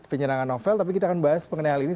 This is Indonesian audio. penyerangan novel tapi kita akan bahas mengenai hal ini